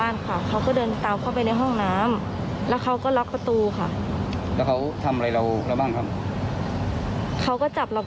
รอดมาได้ยังไงครับ